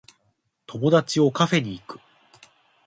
友達をカフェに行く